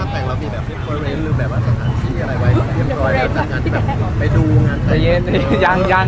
พี่หม่าเพิ่งที่ทำแสดงเรามีแบบ